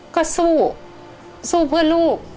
ก็สู้สู้เพื่อลูก